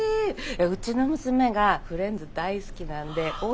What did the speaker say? うちの娘がフレンズ大好きなんで大喜びしますよ。